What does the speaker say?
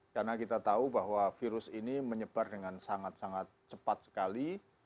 karena kita tahu bahwa virus ini menyebar dengan sangat sangat cepat sekali